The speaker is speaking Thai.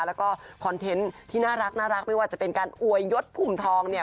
แล้วก็คอนเทนต์ที่น่ารักไม่ว่าจะเป็นการอวยยศพุ่มทองเนี่ย